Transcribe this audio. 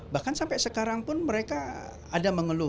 bahkan sampai sekarang pun mereka ada mengeluh